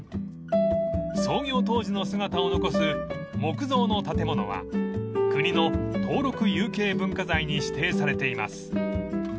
［創業当時の姿を残す木造の建物は国の登録有形文化財に指定されています］